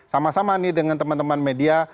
sama sama nih dengan teman teman media